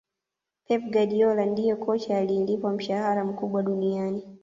Pep Guardiola ndiye kocha anayelipwa mshahara mkubwa duniani